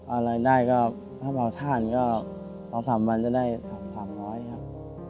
อะไรได้ก็ถ้าเผาท่านก็๒๓วันจะได้๓๐๐ครับ